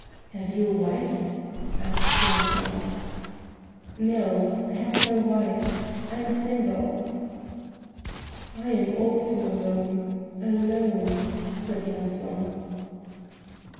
"Have you a wife?" asked Yanson. "No. I have no wife. I am single." "I am also alone. Alone," said Yanson.